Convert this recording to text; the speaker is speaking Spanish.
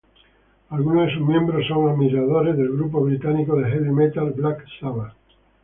Algunos de sus miembros son admiradores del grupo británico de heavy metal, Black Sabbath.